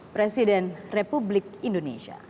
presiden republik indonesia